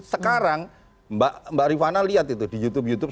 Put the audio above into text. sekarang mbak rifana lihat itu di youtube youtube